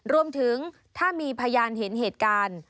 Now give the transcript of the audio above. รวมถึงถ้ามีพยานเห็นเหตุการณ์